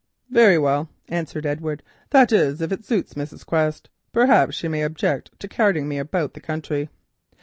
"Very well," answered Edward, "that is if it suits Mrs. Quest. Perhaps she may object to carting me about the country."